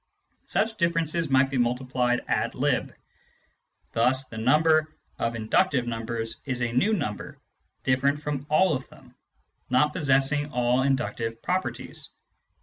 Such differences might be multiplied ad lib. Thus the number of inductive numbers is a new number, different from all of them, not possess ing all inductive properties.